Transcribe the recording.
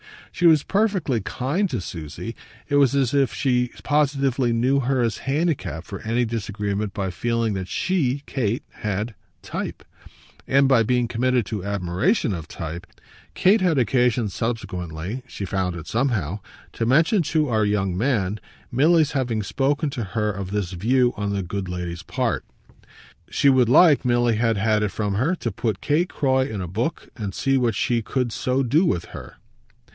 She was perfectly kind to Susie: it was as if she positively knew her as handicapped for any disagreement by feeling that she, Kate, had "type," and by being committed to admiration of type. Kate had occasion subsequently she found it somehow to mention to our young man Milly's having spoken to her of this view on the good lady's part. She would like Milly had had it from her to put Kate Croy in a book and see what she could so do with her.